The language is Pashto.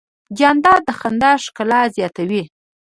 جانداد د خندا ښکلا زیاتوي.